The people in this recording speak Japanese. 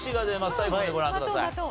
最後までご覧ください。